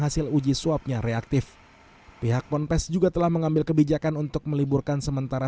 hasil uji swabnya reaktif pihak ponpes juga telah mengambil kebijakan untuk meliburkan sementara